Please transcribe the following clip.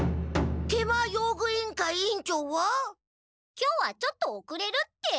今日はちょっとおくれるって。